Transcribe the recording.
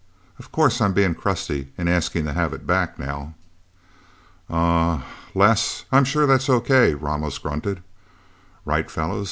Of course I'm being crusty, in asking to have it back, now?" "Uh uh, Les I'm sure that's okay," Ramos grunted. "Right, fellas?"